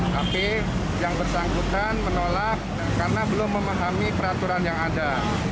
tapi yang bersangkutan menolak karena belum memahami peraturan yang ada